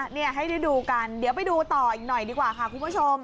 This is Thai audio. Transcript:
นี่ให้ได้ดูกันเดี๋ยวไปดูต่ออีกหน่อยดีกว่าค่ะคุณผู้ชม